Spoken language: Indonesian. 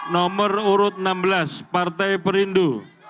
nomor urut enam belas partai perindu